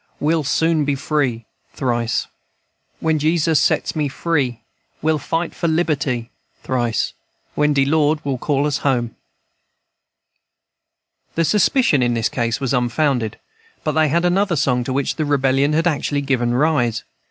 We'll soon be free (Thrice.) When Jesus sets me free. We'll fight for liberty (Thrice.) When de Lord will call us home." The suspicion in this case was unfounded, but they had another song to which the Rebellion had actually given rise.